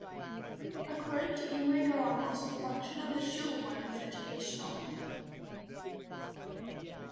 According to Imre Galambos, the function of the "Shuowen" was educational.